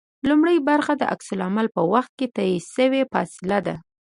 لومړۍ برخه د عکس العمل په وخت کې طی شوې فاصله ده